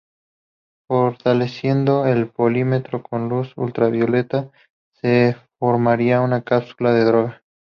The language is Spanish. Fortaleciendo el polímero con luz ultravioleta se formaría una cápsula de droga.